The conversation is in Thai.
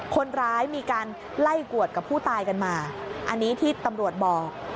คนร้ายมีการไล่กวดกับผู้ตายกันมาอันนี้ที่ตำรวจบอก